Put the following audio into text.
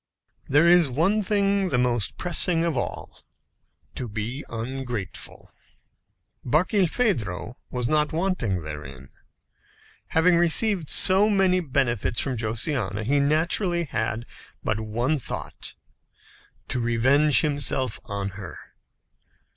There is one thing the most pressing of all: to be ungrateful. Barkilphedro was not wanting therein. Having received so many benefits from Josiana, he had naturally but one thought to revenge himself on her.